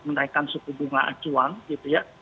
menaikkan suku bunga acuan gitu ya